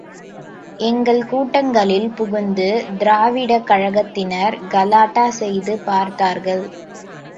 எங்கள் கூட்டங்களில் புகுந்து திராவிடக் கழகத்தினர் கலாட்டா செய்து பார்த்தார்கள்.